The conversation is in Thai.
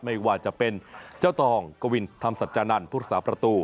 ไม่ว่าจะเป็นเจ้าตองกวินธรรมสัจจานันต์พุทธศาสตร์ประตู